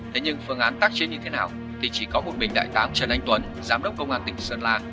thế nhưng phương án tác chiến như thế nào thì chỉ có một mình đại tá trần anh tuấn giám đốc công an tỉnh sơn la